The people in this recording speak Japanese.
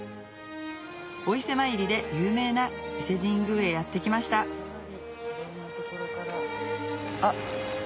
お伊勢参りで有名な伊勢神宮へやって来ましたあっ